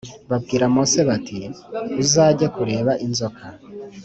Babwira Mose bati uzajye kureba inzoka